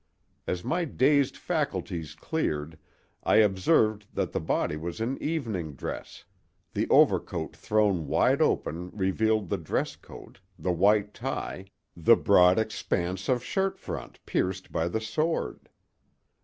As my dazed faculties cleared I observed that the body was in evening dress; the overcoat thrown wide open revealed the dress coat, the white tie, the broad expanse of shirt front pierced by the sword.